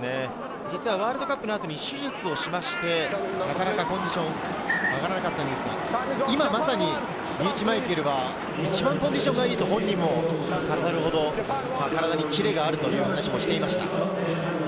ワールドカップの後に手術をして、なかなかコンディションが上がらなかったのですが、今まさにリーチ・マイケルは一番コンディションがいいと本人も語るほど体にキレがあるという話をしていました。